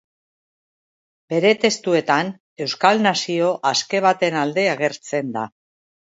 Bere testuetan euskal nazio aske baten alde agertzen da.